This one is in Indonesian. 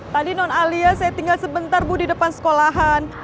tadi non alia saya tinggal sebentar bu di depan sekolahan